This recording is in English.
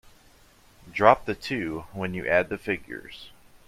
Drop the two when you add the figures.